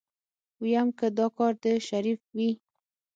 ويم که دا کار د شريف وي.